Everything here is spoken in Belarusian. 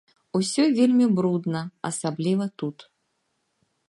Усё вельмі брудна, асабліва тут.